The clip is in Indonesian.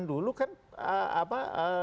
dulu kan apa